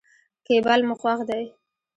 کېبل مو خوښ دی.